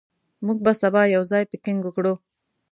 موږ به سبا یو ځای پکنیک وکړو.